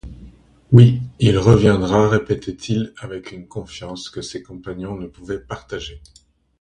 Oui, il reviendra! répétait-il avec une confiance que ses compagnons ne pouvaient partager.